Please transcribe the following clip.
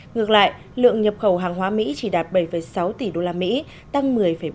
ngược lại lượng nhập khẩu hàng hóa mỹ chỉ đạt bảy sáu tỷ usd tăng một mươi một